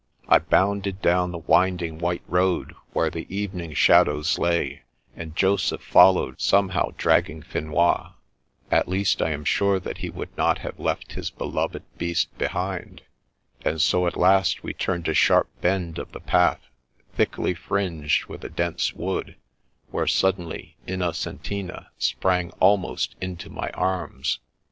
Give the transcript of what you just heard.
I bounded down the winding white road, where the evening shadows lay, and Joseph followed, some how dragging Finois — at least, I am sure that he would not have left his beloved beast behind, — and so at last we turned a sharp bend of the path, thickly fringed with a dense wood, where suddenly Innocentina sprang almost into my arms.